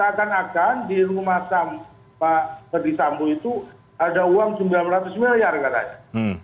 takkan akan di rumah pak bedi sambo itu ada uang sembilan ratus miliar katanya